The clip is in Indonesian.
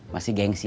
masih gengsi dia